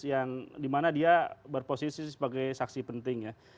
yang dimana dia berposisi sebagai saksi penting ya